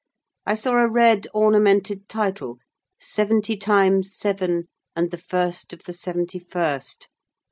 I saw a red ornamented title—"Seventy Times Seven, and the First of the Seventy First.